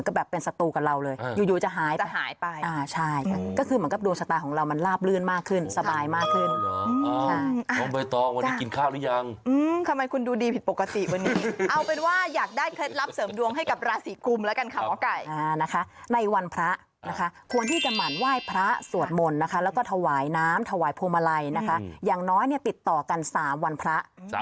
ก็คือเหมือนกับดวงชะตาของเรามันลาบลื่นมากขึ้นสบายมากขึ้นอ๋อน้องเบยต้องวันนี้กินข้าวหรือยังอืมทำไมคุณดูดีผิดปกติวันนี้เอาเป็นว่าอยากได้เคล็ดลับเสริมดวงให้กับราศีกุมแล้วกันค่ะอ๋อไก่อ่านะคะในวันพระนะคะควรที่กันหมั่นไหว้พระสวดมนต์นะคะแล้วก็ถวายน้ำถวายโพมะ